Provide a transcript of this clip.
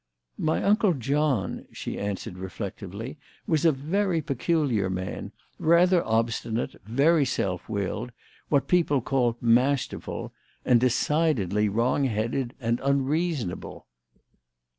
"My Uncle John," she answered reflectively, "was a very peculiar man, rather obstinate, very self willed, what people call 'masterful,' and decidedly wrong headed and unreasonable."